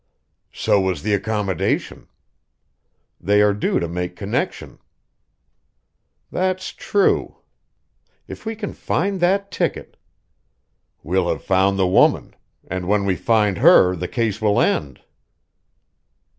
"So was the accommodation. They are due to make connection." "That's true. If we can find that ticket " "We'll have found the woman, and when we find her the case will end."